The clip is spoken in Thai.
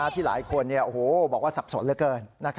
ที่หลายคนบอกว่าสับสนเหลือเกิน